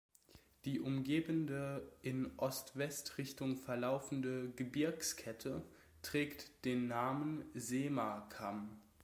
Die umgebende in Ost-West-Richtung verlaufende Gebirgskette trägt den Namen "Sema-Kamm".